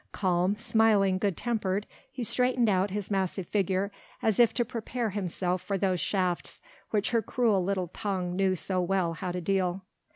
Calm, smiling, good tempered, he straightened out his massive figure as if to prepare himself for those shafts which her cruel little tongue knew so well how to deal.